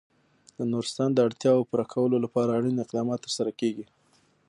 د نورستان د اړتیاوو پوره کولو لپاره اړین اقدامات ترسره کېږي.